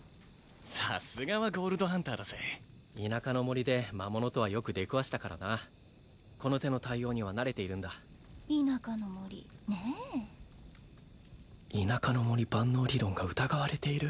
さすがはゴールドハンターだぜ田舎の森で魔物とはよく出くわしたからなこの手の対応には慣れているんだ田舎の森ねえ？田舎の森万能理論が疑われている？